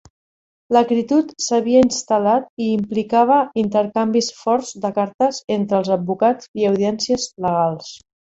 L'acritud s'havia instal·lat, i implicava intercanvis forts de cartes entre els advocats i audiències legals.